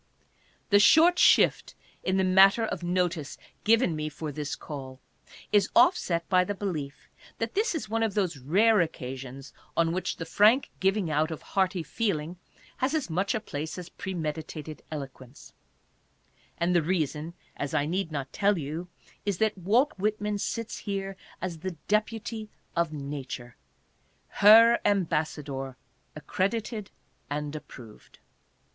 The short shift in the matter of notice given me for this call is offset by the belief that this is one of those rare occasions on which the frank giving out of hearty feeling has as much a place as premeditated eloquence ; and the reason, as I need not tell you, is, that Walt Whitman sits here as the deputy of nature, her embassador accredited and approved.